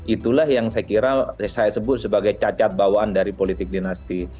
itulah yang saya kira saya sebut sebagai cacat bawaan dari politik dinasti